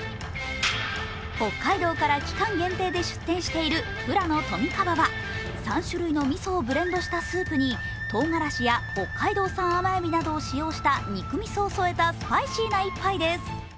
北海道から期間限定で出店している富良野とみ川は３種類のみそをブレンドしたスープにとうがらしや、北海道産甘えびなどを使用した肉みそを添えたスパイシーな１杯です。